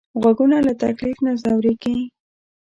غوږونه له تکلیف نه ځورېږي